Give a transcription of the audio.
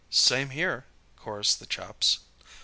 "Same here," chorused the chaps.